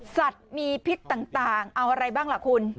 สัตว์มีพิษต่างเอาอะไรบ้างล่ะคุณ